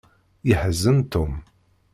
Yeḥzen Tom.